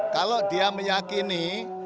kalau dia meyakini